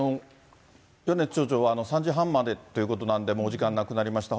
米津町長は３時半までということですので、もうお時間なくなりました。